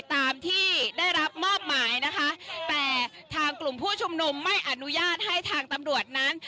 ตามที่ได้รับมอบหมายนะคะแต่ทางกลุ่มผู้ชุมนุมไม่อนุญาตให้ทางตำรวจนั้น